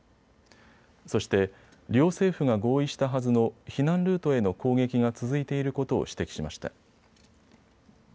そして両政府が合意したはずの避難ルートへの攻撃が続いていることを指摘しました。